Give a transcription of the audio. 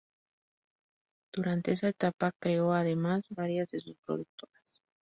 Durante esa etapa, creó además, varias de sus productoras.